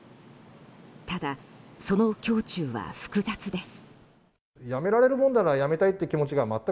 ただ、その胸中は複雑です。